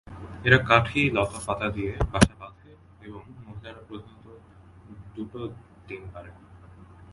এরা কাঠি, লতা পাতা দিয়ে বাসা বাঁধে এবং মহিলারা প্রধানত দুটো ডিম পারে।